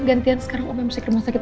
gantian sekarang obat musik rumah sakit